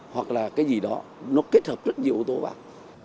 hoặc là cái gì đó nó kết hợp rất nhiều yếu tố vào